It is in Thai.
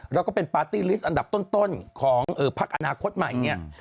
แล้วก็เป็นปาร์ตี้ลิสต์อันดับต้นของพักอนาคตใหม่เนี่ย